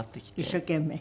一生懸命？